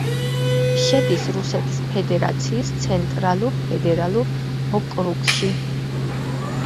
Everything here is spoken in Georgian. შედის რუსეთის ფედერაციის ცენტრალურ ფედერალურ ოკრუგში.